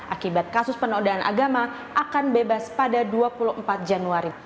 akibat kasus penodaan agama akan bebas pada dua puluh empat januari